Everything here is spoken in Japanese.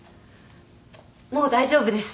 もう大丈夫です。